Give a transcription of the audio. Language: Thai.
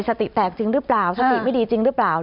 สติแตกจริงหรือเปล่าสติไม่ดีจริงหรือเปล่า